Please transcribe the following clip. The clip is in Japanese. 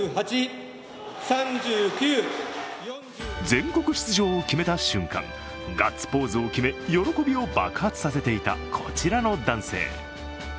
全国出場を決めた瞬間、ガッツポーズを決め、喜びを爆発させていたこちらの男性。